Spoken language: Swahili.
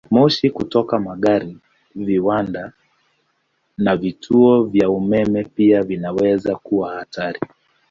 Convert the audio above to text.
Moshi kutoka magari, viwanda, na vituo vya umeme pia vinaweza kuwa hatari.